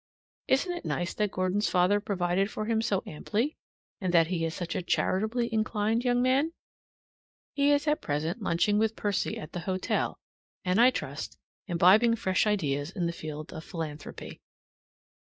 Isn't it nice that Gordon's father provided for him so amply, and that he is such a charitably inclined young man? He is at present lunching with Percy at the hotel, and, I trust, imbibing fresh ideas in the field of philanthropy.